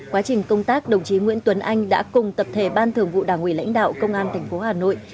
quá trình công tác đồng chí nguyễn tuấn anh đã cùng tập thể ban thường vụ đảng ủy lãnh đạo công an tp hà nội